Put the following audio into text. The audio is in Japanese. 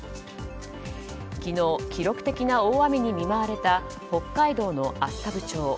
昨日、記録的な大雨に見舞われた北海道の厚沢部町。